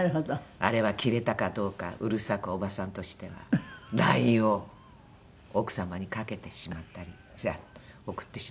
あれは着れたかどうかうるさくおばさんとしてはＬＩＮＥを奥様にかけてしまったりズラッと送ってしまったり。